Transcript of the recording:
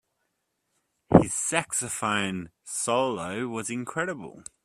His saxophone solo was incredible.